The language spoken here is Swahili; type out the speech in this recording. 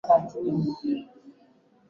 matokeo hayo ina maana rais jonathan